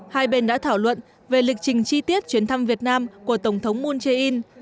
hai bên đã thảo luận về lịch trình chi tiết chuyến thăm việt nam của tổng thống moon jae in